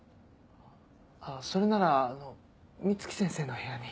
あぁそれなら美月先生の部屋に。